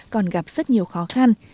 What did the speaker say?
còn gặp rất nhiều khó khăn